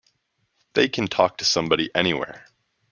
They can talk to somebody anywhere.